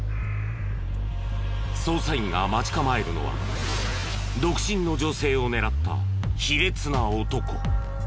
捜査員が待ち構えるのは独身の女性を狙った卑劣な男。